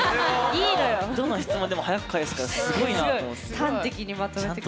どの質問でも早く返すからすごいなと思って。